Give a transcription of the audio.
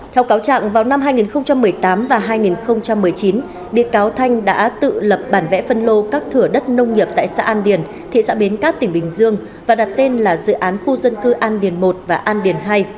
theo cáo trạng vào năm hai nghìn một mươi tám và hai nghìn một mươi chín bị cáo thanh đã tự lập bản vẽ phân lô các thửa đất nông nghiệp tại xã an điền thị xã bến cát tỉnh bình dương và đặt tên là dự án khu dân cư an điền một và an điền hai